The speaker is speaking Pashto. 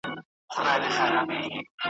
ځکه دا ټوټې بې شمېره دي لوېدلي `